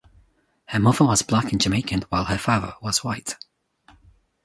Her mother was black and Jamaican while her father was white.